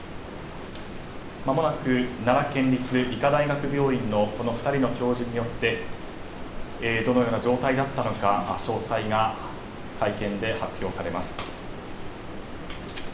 まもなく奈良県立医科大学病院の２人の教授によってどのような状態だったのか詳細が会見で発表されます。